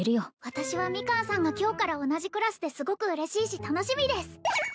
私はミカンさんが今日から同じクラスですごく嬉しいし楽しみです